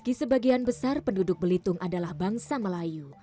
dan sebagian besar penduduk suku sawang adalah bangsa melayu